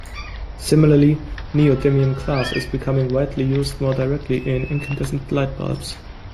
Similarly, neodymium glass is becoming widely used more directly in incandescent light bulbs.